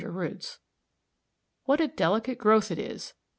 r, Roots.] What a delicate growth it is!